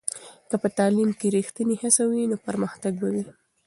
که په تعلیم کې ریښتینې هڅه وي، نو پرمختګ به وي.